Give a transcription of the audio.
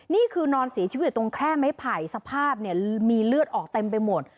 นี่คือนอนสีชีวิตตรงแค่ไม้ไผ่สภาพมีเลือดออกเต็มไปหมด